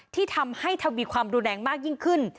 ที่ทำให้ทวีความรุนแรงมากยิ่งขึ้น